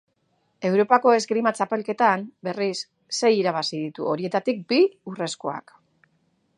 Europako Eskrima Txapelketan, berriz, sei irabazi ditu, horietatik bi urrezkoak.